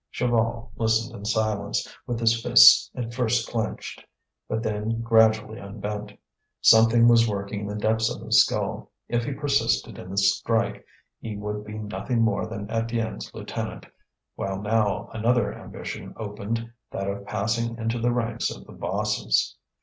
Chaval listened in silence, with his fists at first clenched, but then gradually unbent. Something was working in the depths of his skull; if he persisted in the strike he would be nothing more than Étienne's lieutenant, while now another ambition opened, that of passing into the ranks of the bosses.